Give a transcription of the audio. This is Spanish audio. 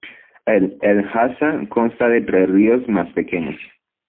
El Lhasa consta de tres ríos más pequeños.